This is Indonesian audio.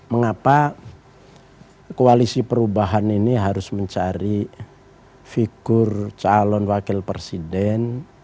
mengapa koalisi perubahan ini harus mencari figur calon wakil presiden